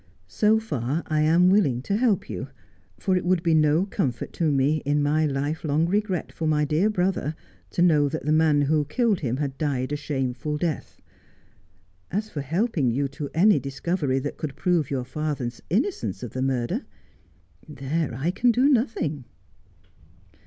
' So far I am willing to help you ; for it would be no comfort to me, in my life long regret for my dear brother, to know that the man who killed him had died a shameful death. As for helping you to any discovery that could prove your father's innocence of the murder — there I can do nothing.'